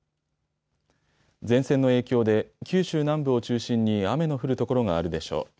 前線の影響で九州南部を中心に雨の降る所があるでしょう。